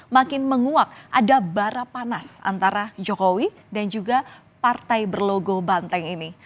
makin menguak ada bara panas antara jokowi dan juga partai berlogo banteng ini